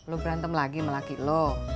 lo berantem lagi sama laki lo